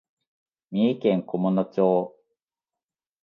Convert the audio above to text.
三重県菰野町